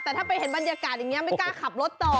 แต่ถ้าไปเห็นบรรยากาศอย่างนี้ไม่กล้าขับรถต่อ